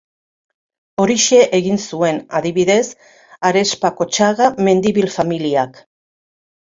Horixe egin zuen, adibidez, Arespakotxaga Mendibil familiak.